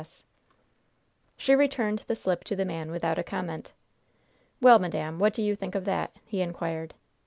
C.S." She returned the slip to the man without a comment. "Well, madam, what do you think of that?" he inquired.